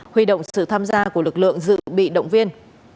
huy động sự tham gia của lực lượng dự bị động viên